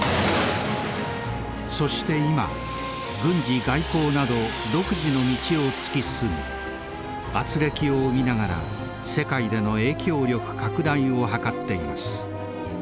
そして今軍事外交など独自の道を突き進みあつれきを生みながら世界での影響力拡大を図っています。